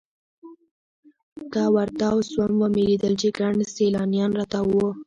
کله ورتاو سوم ومې لېدل چې ګڼ سیلانیان راتاو وو.